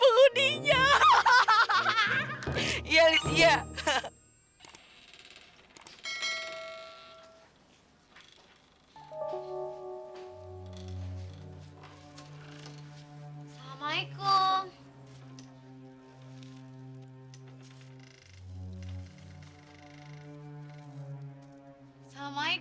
aduh kayak gitu apaan sih